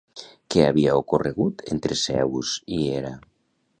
Què havia ocorregut entre Zeus i Hera?